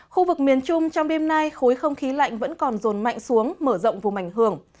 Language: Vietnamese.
khu vực miền trung trong đêm nay khối không khí lạnh vẫn còn rồn mạnh xuống mở rộng vùng ảnh hưởng